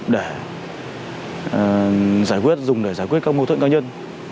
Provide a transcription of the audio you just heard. để giải quyết dùng để giải quyết các mâu thuẫn cá nhân